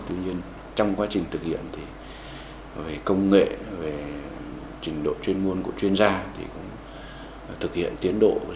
tuy nhiên trong quá trình thực hiện thì về công nghệ về trình độ chuyên môn của chuyên gia thì cũng thực hiện tiến độ dự án quan trọng